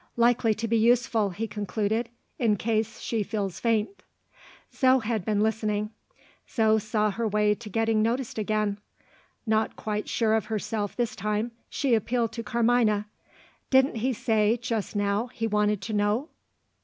"Likely to be useful," he concluded, "in case she feels faint." Zo had been listening; Zo saw her way to getting noticed again. Not quite sure of herself this time, she appealed to Carmina. "Didn't he say, just now, he wanted to know?"